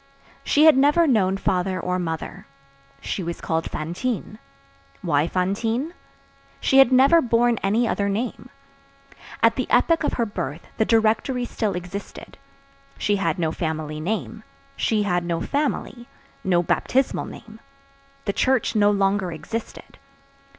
She had never known father or mother. She was called Fantine. Why Fantine? She had never borne any other name. At the epoch of her birth the Directory still existed. She had no family name; she had no family; no baptismal name; the Church no longer existed.